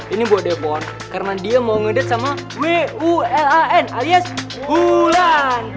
ini buat depon karena dia mau ngedat sama wulan alias hulan